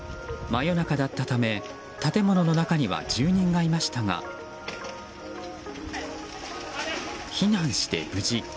真夜中だったため建物の中には住人がいましたが避難して無事。